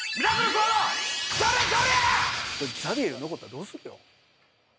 ・ザビエルが残ったらどうするよ